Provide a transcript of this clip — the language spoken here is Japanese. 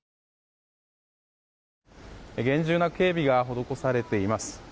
厳重な警備が施されています。